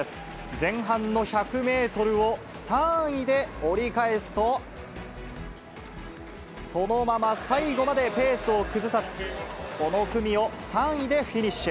前半の１００メートルを３位で折り返すと、そのまま最後までペースを崩さず、この組を３位でフィニッシュ。